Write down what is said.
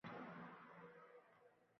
To tiriksan, bedor bo’l.